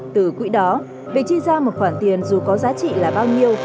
từ quỹ đó việc chi ra một khoản tiền dù có giá trị là bao nhiêu